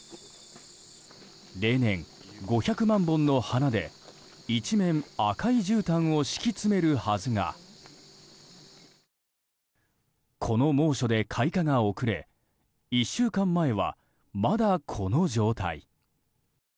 例年、５００万本の花で一面赤いじゅうたんを敷き詰めるはずがこの猛暑で開花が遅れ１週間前は、まだこの状態。